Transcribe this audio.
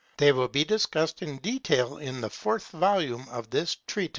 They will be discussed in detail in the fourth volume of this Treatise.